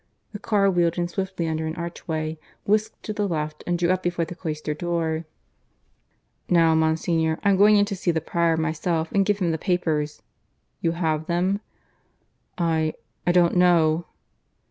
(The car wheeled in swiftly under an archway, whisked to the left, and drew up before the cloister door.) "Now, Monsignor, I'm going in to see the Prior myself and give him the papers. You have them?" "I. .. I don't know."